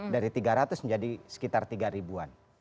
dari tiga ratus menjadi sekitar tiga ribuan